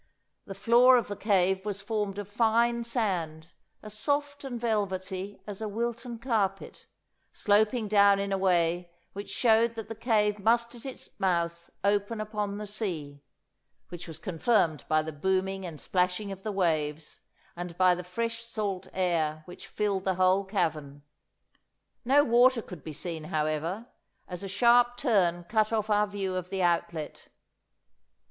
The floor of the cave was formed of fine sand, as soft and velvety as a Wilton carpet, sloping down in a way which showed that the cave must at its mouth open upon the sea, which was confirmed by the booming and splashing of the waves, and by the fresh salt air which filled the whole cavern. No water could be seen, however, as a sharp turn cut off our view of the outlet.